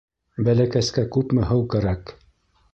Бәләкәскә күпме һыу кәрәк?